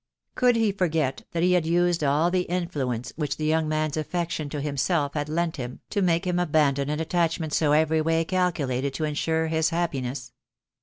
Could he forget that he had used all the influence which the young man's affection to himself had lent him, to make him abandon an attachment so every way calculated to ensure his happiness